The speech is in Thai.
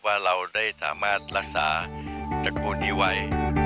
ว่าเราได้สามารถรักษาจักรนี้ไว